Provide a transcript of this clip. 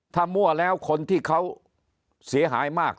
ถ้ามั่วแล้วคนที่เขาเสียหายมาก